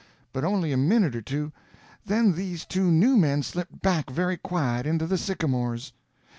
But only a minute or two—then these two new men slipped back very quiet into the sycamores.